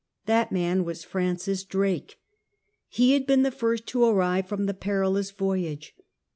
That man was Francis Drake. He had been the first to arrive from the perilous voyage.